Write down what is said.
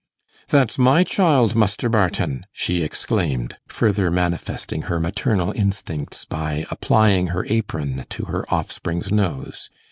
'That's my child, Muster Barton,' she exclaimed, further manifesting her maternal instincts by applying her apron to her offspring's nose.